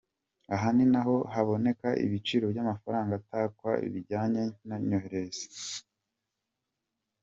Aha ni n’aho haboneka ibiciro by’amafaranga akatwa bijyanye n’ayoherezwa.